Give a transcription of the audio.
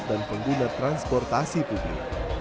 dan pengguna transportasi